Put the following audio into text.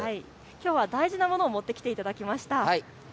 きょうは大事なものを持ってきていただきました。